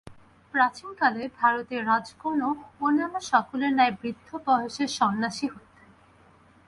প্রাচীনকালে ভারতে রাজগণও অন্যান্য সকলের ন্যায় বৃদ্ধ বয়সে সন্ন্যাসী হইতেন।